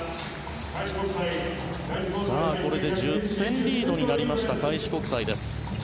これで１０点リードになりました開志国際です。